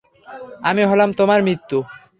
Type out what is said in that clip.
আমি হলাম তোমার মৃত্যু!